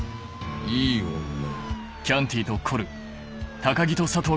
いい女。